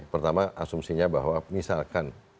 pertama asumsinya bahwa misalkan